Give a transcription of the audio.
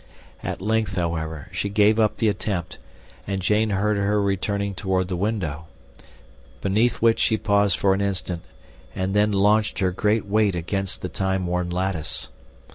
At length, however, she gave up the attempt, and Jane heard her returning toward the window, beneath which she paused for an instant, and then launched her great weight against the timeworn lattice.